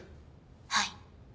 はい。